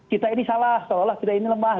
kita ini salah seolah olah kita ini lemah